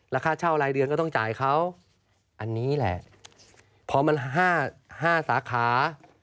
แล้วค่าเช่ารายเดือนก็ต้องจ่ายเขาอันนี้แหละพอมัน๕สาขา